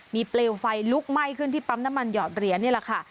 มีเปลวไฟลุกไหม้ขึ้นที่ปั๊มน้ำมันหอดเหรียญนี่แหละค่ะ